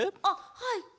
あっはい。